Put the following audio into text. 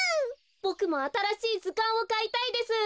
ボクもあたらしいずかんをかいたいです。